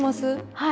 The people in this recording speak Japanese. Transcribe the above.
はい。